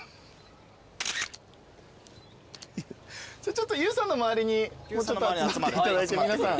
ちょっと優さんの周りにもうちょっと集まっていただいて皆さん。